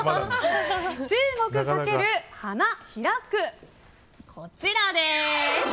中国×花開く、こちらです。